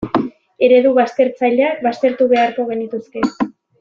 Eredu baztertzaileak baztertu beharko genituzke.